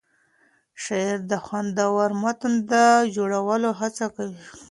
شاعر د خوندور متن جوړولو هڅه کوي.